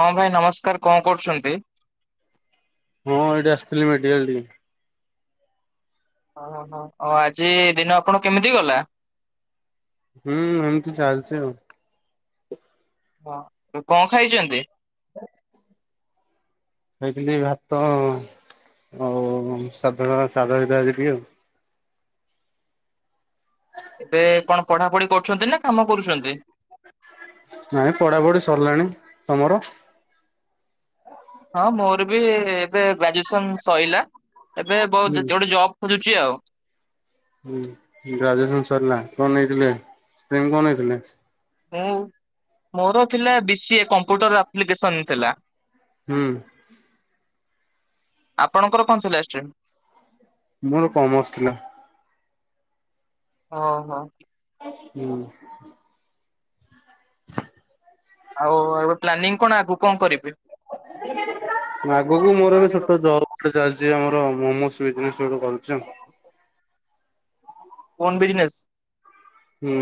ହଁ ଭାଇ ନମସ୍କାର କଣ କରୁଚନ୍ତି? କଣ ଏଇଠି ଆସିଥିଲି ମେଡିକାଲ ଟିକେ। ଓ ହୋ ଆଜି ଦିନ ଆପଣ କେମିତି ଗଲା? ହୁଁ ଏମିତି ଚାଲିଚି ଆଉ। ହଁ କଣ ଖାଇଚନ୍ତି? ହେଇଥିଲି ଭାତ ଆଉ ସାଧା ସାଧା ଦିଟା ଟିକେ ଆଉ। ଏବେ କଣ ପଢାପଢି କରୁଚନ୍ତି ନା କାମ କରୁଚନ୍ତି? ନାଇଁ ପଢାପଢି ସରିଲାଣି। ତମର? ହଁ ମୋର ବି ଏବେ ଗ୍ରାଜୁଏସନ ସଇଲା। ଏବେ ବହୁ ହୁଁ ଗୋଟେ ଜବ୍ ଖୋଜୁଚି ଆଉ। ଗ୍ରାଜୁଏସନ ସରିଲା କଣ ହେଇଥିଲେ ଷ୍ଟ୍ରିମ୍ କଣ ନେଇଥିଲେ? ମୁଁ ମୋର ଥିଲା B C A computer application ଥିଲା। ହୁଁ। ଆପଣଙ୍କର କଣ ଥିଲା ଷ୍ଟ୍ରିମ୍? ମୋର କମର୍ସ ଥିଲା। ହଁ, ହଁ। ହୁଁ। ଆଉ ଏବେ ପ୍ଲାନିଂ କଣ? ଆଗକୁ କଣ କରିବେ? ଆଗକୁ ମୋର ଏବେ ଛୋଟ ଜବ୍ ଗୋଟେ ଚାଲିଛି ଆମର। ମୋମୋସ୍ ବିଜନେସ ଗୋଟେ କରୁଛି। Own business. ହୁଁ।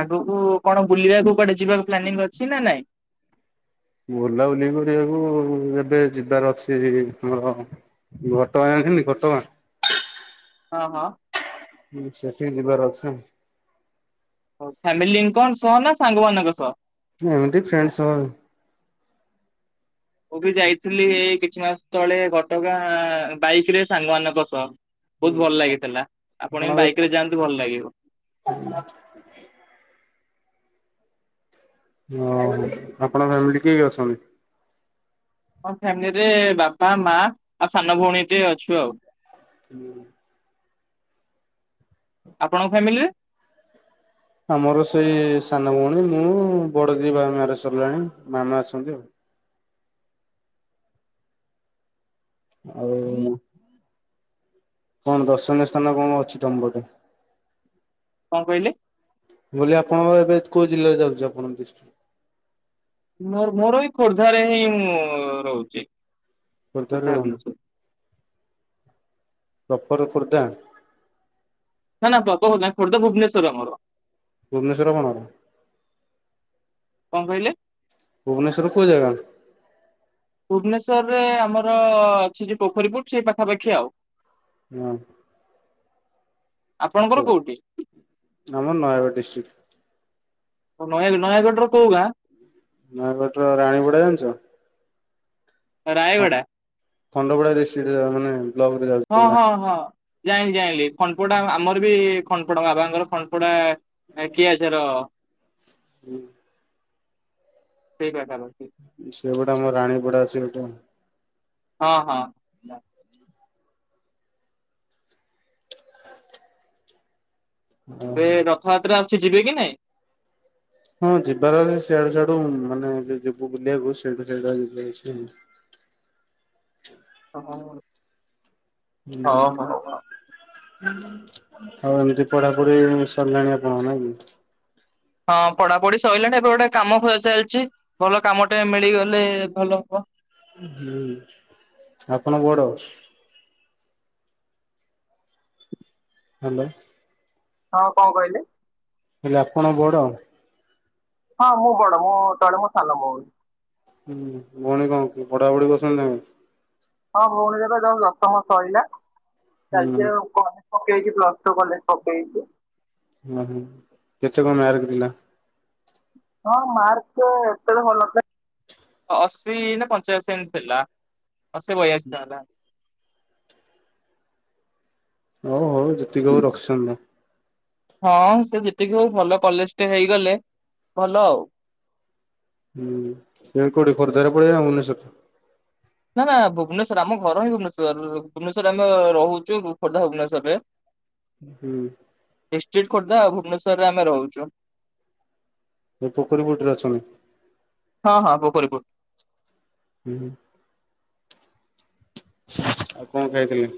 ଆଗକୁ କଣ, ବୁଲିବାକୁ କୁଆଡେ ଯିବାକୁ ପ୍ଲାନିଂ ଅଛି ନା ନାଇଁ? ବୁଲାବୁଲି କରିବାକୁ ଏବେ ଯିବାର ଅଛି ଆମର ଘଟଗାଁ । ଏମିତି ଘଟଗାଁ। ହଁ, ହଁ। ସେଠିକି ଯିବାର ଅଛି। ଫ୍ୟାମିଲିିଙ୍କ ସହ ନା? ସାଙ୍ଗମାନଙ୍କ ସହ? ଏମିତି ଫ୍ରେଣ୍ଡ ସହ। ମୁଁ ବି ଯାଇଥିଲି ଏଇ କିଛି ମାସ ତଳେ ଘଟଗାଁ, ବାଇକ୍ ରେ ସାଙ୍ଗମାନଙ୍କ ସହ। ବହୁତ ଭଲ ଲାଗିଥିଲା। ଆପଣ ବାଇକରେ ଯାଆନ୍ତୁ ଭଲ ଲାଗିବ। ଓହ, ଆପଣଙ୍କ ଫ୍ୟାମିଲି କେଏ କିଏ ଅଛନ୍ତି? ଆମ ଫ୍ୟାମିଲିରେ ବାପା, ମା ଆଉ ସାନ ଭଉଣୀ ଟେ ଅଛୁ ଆଉ। ହୁଁ। ଆପଣଙ୍କ ଫ୍ୟାମିଲିରେ? ଆମର ସେଇ ସାନ ଭଉଣୀ ମୁଁ ବଡ ଦି-ବା ମାରେଜ ସରିଲାଣି ମାମା ଅଛନ୍ତି ଆଉ। ଆଉ। କଣ ଦର୍ଶନୀୟ ସ୍ଥାନ, କଣ ଅଛି ତମ ପେଟ? କଣ କହିଲେ? ମୁଁ କହିଲି ଆପଣଙ୍କ ଏବେ କୋଉ ଜିଲ୍ଲାରେ, ଯାଉଛି ଆପଣଙ୍କ ଡିଷ୍ଟ୍ରିକ? ମୋର, ମୋର ଏଇ ଖୋର୍ଦ୍ଧାରେ ହିଁ ମୁଁ ରହୁଛି। ଖୋର୍ଦ୍ଧା ଖୋର୍ଦ୍ଧାରେ ଭୁବନେଶ୍ୱର। । ଉପୋର ଖୋର୍ଦ୍ଧା। ନା ନା ପବ ଗଦା, ଖୋର୍ଦ୍ଧା ଭୁବନେଶ୍ୱର ଆମାର। ଭୁବନେଶ୍ୱର କଣ ହବ? କଣ କହିଲେ? ଭୁବନେଶ୍ୱର କୋଉ ଯାଗାରେ? ଭୁବନେଶ୍ୱର ରେ ଆମର ଅ-ଅଛି ଯୋଉ ପୋଖରୀପୁଟ ସେଇ ପାଖାପାଖି ଆଉ। ନା। ଆପଣଙ୍କର କୋଉଠି? ଆମର ନୟାଗଡ଼ ଡିଷ୍ଟ୍ରିକ୍। ଓ ନୟାଗଡ ।ନୟାଗଡ଼ ର କୋଉ ଗାଁ? ନୟାଗଡ ର ରାଣିବୁଡା ଜାଣିଚ? ରାୟଗଡା ଖଣ୍ଡପଡା ଡିଷ୍ଟ୍ରିକ୍ଟ ମାନେ ବ୍ଲକରେ ।ହଁ, ଯାଉଛି ହଁ, ହଁ ଜାଣି ଜାଣିଲି, ଖଣ୍ଡପଡା ଆମର ବି ଖଣ୍ଡପଡା ବାବାଙ୍କର, ଖଣ୍ଡପଡା କିଆ ସେର ହୁଁ। ସେଇ ବା। ସେଗୁଡା ଆମର ରାଣୀପଡା ଅଛି ଗୋଟେ। ହଁ, ହଁ। ବେ ଓହୋ। ରଥଯାତ୍ରା ଆସୁଛି ଯିବି କି ନାଇଁ? ହଁ ଯିବାର ଅଛି ସିଆଡୁ, ସିଆଡୁ ମାନେ ଏବେ ଯିବୁ ବୁଲିବାକୁ ସେଇଠୁ ଯାଇକି ଧରିକି ପଳେଇ ଆସିବୁ। ହ, ହଁ ହୋଉ ଆଉ। ହଉ ଏମିତି ପଢାପଢି ସରିଲାଣି ଆପଣଙ୍କର ନାଇଁ କି ହଁ ପଢାପଢି ସରିଲାଣି ଏବେ ଗୋଟେ କାମ ଖୋଜା ଚାଲିଛି ଭଲ କାମ ଟେ ମିଳିଗଲେ ଭଲ ହବ ହୁଁ ଆପଣ ବଡ ହାଲୋ ହଁ କଣ କହିଲେ ହେଲେ ଆପଣ ବଡ ହଁ ମୁଁ ବଡ ମୋ ତଳେ ମୋ ସାନ ଭଉଣୀ ହୁଁ ଭଉଣୀ କଣ ପଢାପଢି ପସନ୍ଦନାହିଁ ହଁ ଭଉଣୀର ଏବେ ଯୋଉ ଦଶମ ସରିଲା ହୁଁ ଚାଲିଚି ଆଉ କଣ ପକେଇଚି ପ୍ଲସ୍‌ ଟୁ କଲେଜ ପକେଇଚି ଓ ହୋ କେତେ କମ ମାର୍କ ଥିଲା ହଁ ମାର୍କ ଏତେ ଭଲ ନଥିଲା ଅଶି ନା ପଞ୍ଚାଅଶୀ ଏମିତି ଥିଲା ଅଶୀ ବୟାଶୀ ହେଲା ହଉ ହଉ ଯେତିକି ହଉ ରଖିଛନ୍ତିତ ହଁ ସେ ଯେତିକି ହଉ ଭଲ କଲେଜ ଟେ ହେଇଗଲେ ଭଲ ଆଉ ହୁଁ ସେ କୋଉଠି ଖୋର୍ଦ୍ଧାରେ ପଢିବ ନା ଭୁବନେଶ୍ୱର ରେ ନା ନା ଭୁବନେଶ୍ଵର ଆମ ଘର ହିଁ ଭୁବନେଶ୍ଵର ଭୁବନେଶ୍ୱର ରେ ଆମେ ରହୁଛୁ ଖୋର୍ଦ୍ଧା ଭୁବନେଶ୍ୱରରେ ହୁଁ ଡିଷ୍ଟ୍ରିକ ଖୋର୍ଦ୍ଧା ଭୁବନେଶ୍ୱରରେ ଆମେ ରହୁଛୁ ଏ ପୋଖରୀ ପୁଟରେ ଅଛନ୍ତି ହଁ ହଁ ପୋଖରୀ ପୁଟ ହୁଁ ଆଉ କଣ ଖାଇଥିଲେ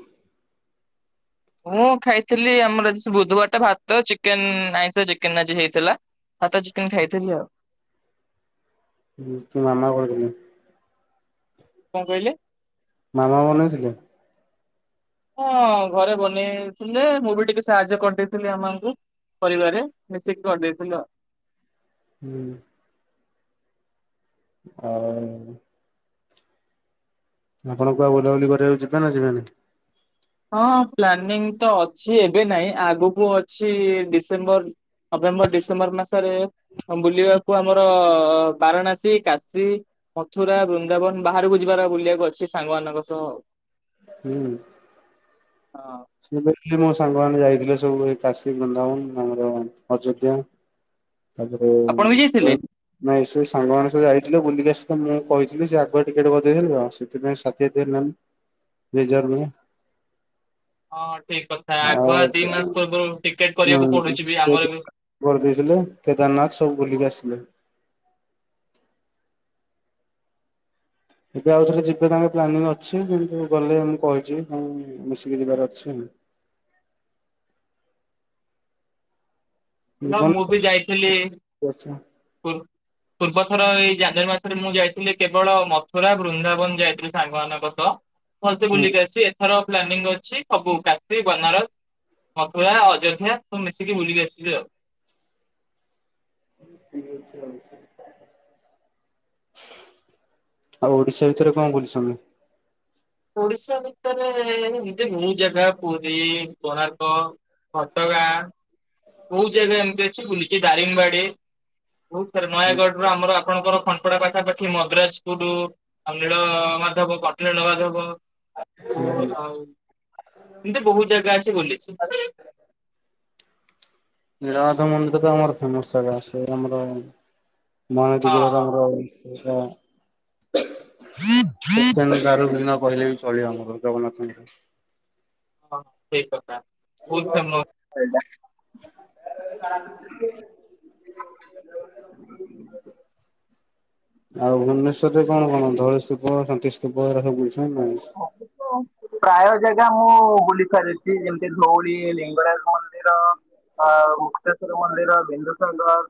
ମୁଁ ଖାଇଥିଲି ଆମର ଆଜି ସେଇ ବୁଧବାର ଟା ଭାତ ଚିକେନ ଆଇଁଷ ଚିକେନ ଆଜି ହେଇଥିଲା ଭାତ ଚିକେନ ଖାଇଥିଲି ଆଉ ତମ ମାମା କରିଥିଲେ କଣ କହିଲେ ମାମା ବନେଇଥିଲେ ହଁ ଘରେ ବନେଇଥିଲେ ମୁଁ ବି ଟିକେ ସାହାଯ୍ୟ କରିଦେଇଥିଲି ମାମା ଙ୍କୁ ପରିବାରରେ ମିଶିକି କରିଦେଇଥିଲୁ ଆଉ ହୁଁ ହଉ ଆପଣଙ୍କୁ ଆଉ ବୁଲାବୁଲି କରିବାକୁ ଯିବେ ନା ସେମାନେ ହଁ ପ୍ଲାନିଂ ତ ଅଛି ଏବେ ନାହିଁ ଆଗକୁ ଅଛି ଡିସେମ୍ବର ନଭେମ୍ବର ଡିସେମ୍ବର ମାସରେ ବୁଲିବାକୁ ଆମର ଆ ବାରାଣାସୀ କାଶୀ ମଥୁରା ବୃନ୍ଦାବନ ବାହାରକୁ ଯିବାର ବୁଲିବାକୁ ଅଛି ସାଙ୍ଗ ମାନ କସ ହୁଁ ସେ ଏ ସାଙ୍ଗମାନୋନ ଯାଇଥିଲେ ସବୁ କାଶୀ ବଧାବନ ଆମର ଅଯୋଧ୍ୟା ଆପଣ ବି ଯାଇଥିଲେ? ତାପରେ ସେ ସାଙ୍ଗ ମାନ ସ ଯାଇ ବୁଲିକ ଆସିଲ ତ ମୁଁ କହିଥିଲି ଯେ ଆଗୁଆ ଟିକେଟେ ବଜେଇଥିଲି ଆ ସେଥିପାଇଁ ସାଥିୀାତ ହେନାନ୍ତି ଲଜର ସେଠିକ କଥା ଆଗୁଆ ଦି ମାସ ପୂର୍ବରୁ ଟିକେଟ କରିବାକୁ ହୁଁ ପଡୁଛି ବି ସେ ଆମର ବି କରିଦେଇଥିଲେ କେଦାରନାଥ ସବୁ ବୁଲିକି ଆସିଲଥିଲେ ଏବେ ଆଉ ଥରେ ଯିବେ ତାଙ୍କର ପ୍ଲାନିଂ ଅଛି କିନ୍ତୁ ଗଲେ ମୁଁ କହିଛି କ ମିଶିକି ଯିବାର ଅଛି ନା ଜୀବନ ମୁଁ ବି ଯାଇଥିଲି ବର୍ଷ ପୂର୍ବ ର ଏଇ ଜାନୁଆରୀ ମାସରେ ମୁଁ ଯାଇଥିଲି କେବଳ ମଥୁରା ବୃନ୍ଦାବନ ଯାଇଥିଲି ସାଙ୍ଗମାନାନଙ୍କ ସହ ଭସ ହୁଁ। ବୁଲିକି ଆସିଛି ଏଥର ପ୍ଲାନିଂ ଅଛି ସବୁ କାଶୀ ବନାରସ ମଥୁରା ଅଯୋଧ୍ୟା ତୁ ମିଶିକି ବୁଲିକି ଆସଲୁ ଆଉ। ଠିକ ଅଛି [inaudible] ଆଉ ଓଡ଼ିଶା ଭିତରେ କଣ ବୁଲିଛ ମି। ଓଡ଼ିଶା ଭିତରେ ଏଭିଦେ‌ ବୋହୁତ୍ ଜାଗା ପୁରୀ କୋଣାର୍କ ଘଟଗାଁ। ବୋହୁତ୍ ଜାଗା ଏମିତି ଅଛି ବୁଲିଛି ଦାରିଙ୍ଗ୍ ବାଡ଼ି ବୋହୁତ୍ ସାରା ନୟାଗଡ଼ ର ଆମର ଆପଣଙ୍କର ଖଣ୍ଟ୍ ପଡ଼ା ପାଖାପାଖି ମଦ୍ ରାଜ୍ ପୁରୁ ଅନୀଳ ମାଧବ କଟଳୀ ନ ମାଧବ। ଓ ଆଉ ଏମ୍ ତି ବୋହୁତ୍ ଜାଗା ଅଛି ବୁଲିଛି। ନୀଳ ମାଧବ ମନ୍ଦିର ତ ଆର ଫେମସ୍ ଜାଗା ସେ ଆମର ମାଣତୀ ହଁ ହଁ ଗୋଳରାମ ରାଉ ସେଇଟା। ଉକନ୍ ଦାରୁ ବିମା କହିଲେ ବି ଚଳିବ ଆମର ଜଗନ୍ନାଥଙ୍କର। ହଁ ସେଇ କଥା ବୋହୁତ୍ ଫେମସ୍ ସେଇଟା। [unintelligible] ଆଉ ଭୁବନେଶ୍ଵରରେ କଣ କଣ ଧଳସୂପ ଶାନ୍ତି ସ୍ତୂପ ଏରା ସବୁ ବୁଲ୍ ଛ। [unintelligible] ପ୍ରାୟ ଜାଗା ମୁଁ ବୁଲି ସାରିଛି ଯେମିତି ଧଉଳି ଲିଙ୍ଗରାଜ ମନ୍ଦିର ଆ ମୁକ୍ତେଶ୍ୱର ମନ୍ଦିର ବିନ୍ଦୁସାଗର୍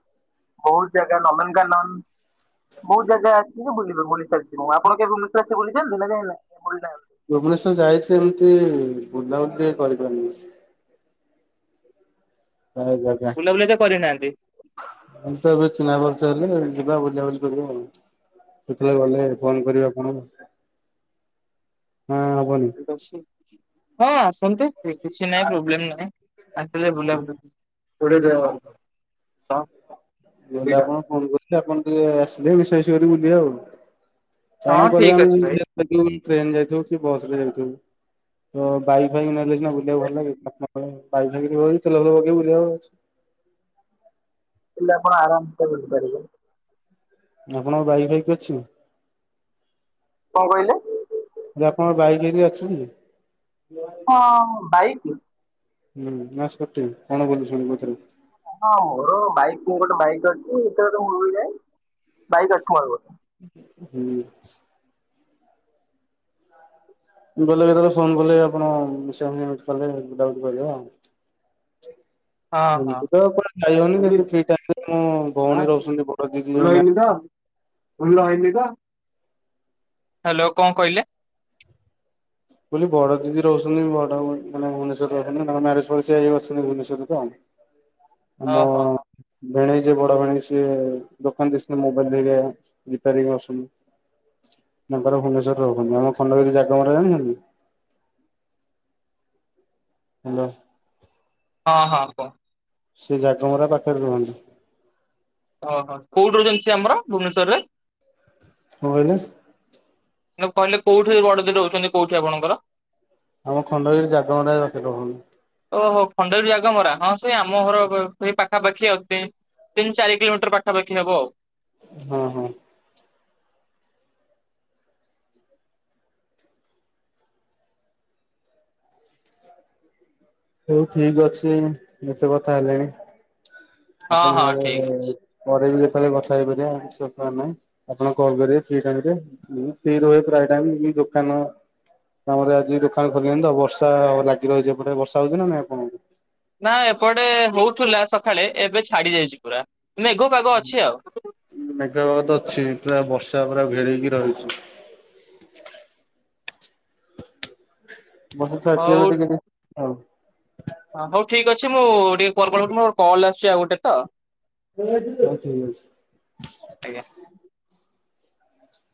ବୋହୁତ୍ ଜାଗା ନନ୍ଦନ୍ କାନନ୍। ବୋହୁତ୍ ଜାଗା ଅଛି ବୁଲିବେ ବୁଲି ସାରିଛି ମୁଁ ଆପଣ କେବେ ଭୁବନେଶ୍ୱର ଆସି ବୁଲିଛନ୍ତି ମାନେ ଭୁବନେଶ୍ୱର ଯାଇଛି ଏମିତି ବୁଲାବୁଲି ଟିକେ କରିପାରିନି। ହଏ ଜଗା ବୁଲାବୁଲି ତ କରିନାହାନ୍ତି ଇନ୍ ସର୍ ବିତି ନାଁ ପଚାରିଲି ଯିବା ବୁଲାବୁଲି କରିବା ଆଉ ସେତେବେଳେ ଗଲେ ହଁ ଫୋନ୍ କରିବେ ଆପଣ। ଠିକ୍ ଅଛି ହଁ ଆସନ୍ତି। କିଛି ନାହିଁ ପ୍ରୋବ୍ଲେମ୍ ନାହିଁ ଆସିବେ ବୁଲାବୁଲୁ କୋଡ଼ି ଦେଅତ ଟ ମୁଁ କହିଲି ଆପଣ ଫୋନ୍ କରିଥିଲେ ଆପଣ ଟିକେ ଆସିଲେ ମିଶା ମିଶି କରି ବୁଲିବା ଆଉ। ହଁ କଣ କଲେ ଠିକ ଆମେ ଅଛି ଭାଇ। [inaudible] ଟ୍ରେନ ଯାଇଥିବୁ କି ବସରେ ଯାଇଥିବୁ। ହ ତ ବାଇ ଫାଇ ନେଲେ ସିନା ବୁଲିବାକୁ ଭଲ ଲାଗେ [inaudible] ବାଇ ଫାଇ ନେବ ଯଦି ତେଲ ଫେଲ ପକେଇ ବୁଲିବ ଚ୍। ହେଲେ ଆପଣ ଆରାମ୍ ସେ ବୁଲିପାରିବେ। ଆପଣଙ୍କ ବାଇକ୍ ଫାଇକ୍ ଅଛି? କଣ କହିଲେ? କହିଲି ଆପଣଙ୍କ ବାଇକ୍ ହେରିକା ଅଛି କି? ଅଁ ବାଇକି? ହୁଁ ନା ସ୍କୁଟି ଆପଣ ବୁଲିଛନ୍ତି କୋଉଥିରେ? ହଁ ମୋର ବାଇକ୍ ମୁଁ ଗୋଟେ ବାଇକ୍ ଅଛି ହେଟା ଗୋଟେ ମୁଁ ବୁଲିଯାଏ ବାଇକ୍ ଅଛି ମୋର ଗୋଟେ । ଠି ଅଛି। ଗଲେ କେତେବେଳେ ଫୋନ୍ କଲେ ଆପଣ ମିସାମି ମିଉଟ୍ କଲେ ବୁଦିବୁଦି କରିବା ଆଉ। ହଁ [unintelligible] ହଁ। ଏମିତି ତ କୁଆଡ଼େ ଯାଇହଉନି ଏଇ ଯୋଉ ଫ୍ରି ଟାଇମ୍ ରେ ଯୋଉ ଭଉଣୀ ରହୁଛନ୍ତି ବଡ଼ ଦିଦି ଜଣେ ଭୁଲ ହେଇନି ତ? ହ୍ୟାଲୋ କଣ କହିଲେ? କହିଲି ବଡ଼ ଦିଦି ରହୁଛନ୍ତି ବଡ଼ ମାନେ ଭୁବନେଶ୍ୱରରେ ରହୁଛନ୍ତି ତାଙ୍କ ମ୍ୟାରେଜ ସେ ଅଛନ୍ତି ଭୁବନେଶ୍ଵର୍ ରେ ତ। ଅ ହ ହ। ଭିଣେଇ ଯିଏ ବଡ଼ ଭିଣେଇ ସିଏ ଦୋକାନ୍ ଦେଇଛନ୍ତି ବମୋବାଇଲ୍ ରେ ଇଏ ରିପାରିଂ କରୁଛନ୍ତି। ତାଙ୍କର ଭୁବନେଶ୍ୱରରେ ରହୁଛନ୍ତି ଆମ ଖଣ୍ଡଗିରି ଜାଗା ମର ଜାଣିଛନ୍ତି? ହ୍ୟାଲୋ। ହଁ ହଁ କୁହ। ସେ ଜକମରା ପାଖରେ ରୁହନ୍ତୁ । ଓହୋ କୋଉଠି ରଛି ଆମର ଭୁବନେଶ୍ଵରରେ । କହିଲେ କିୁ କହିଲେ କୋଉଠି ବଡଦ ରହୁଛନ୍ତି କୋଉଠି ଆପଣଙ୍କର ଆମ ଖଣ୍ଡଗିରି ଜାଗର ପାଖେ ରହୁନ ଓହୋ ଖଣ୍ଡେୁର ଜାଗ ମରା ହଁ ସେଇ ଆମ ଘର ସେଇ ପାଖାପାଖି ଅତି ତିନି ଚାରି କିଲୋମିଟର ପାଖାପାଖି ହବ ଆଉ ହଁ ହଁ । ହଉ ଠିକ ଅଛି ମତେ କଥା ହେଲେଣି । ଆପଣ ହଁ ହଁ ଠିକ ଅଛି। ପରେ ବି କଥା ହେଇପାରିବ ନାହିଁ ଆପଣ କଲ୍ କରିବେ ଟ ରହ ପ୍ରାୟ ଟ ଦୋକାନ ଆମରେ ଆଜି ଦୋକାନ ଖୋଲି ନିଅ ତ ଆଉ ବର୍ଷା ଲାଗି ରହିଛିପଟେ ବର୍ଷା । ସଜ ମପଣ [unintelligible] ନା ଏପଟେ ହଉଥିଲା ସକାଳେ ଏବେ ଛାଡି ଯାଇଛି ପୁରା । ମେଘ ତ ଅଛି ପୁରା ବର୍ଷା । ପା ଘେରକି ରହିଛୁ । ବର୍ଷା ଛାଡିଛିଏବେ ଟିକେ ଟିକେ । ହଁ ହଉ ଠିକ ଅଛି ମୁଁ ଟିକେ ମୋର କଲ ଆସୁଛି ଆଉ ଗୋଟେ ତ ଠିକ୍ ଅଛି। ଆଜ୍ଞା।